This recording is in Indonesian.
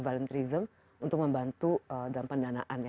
volunteerism untuk membantu dan pendanaan